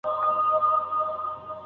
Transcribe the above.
صالحه ميرمن پنځه وخته لمونځ کوونکې وي.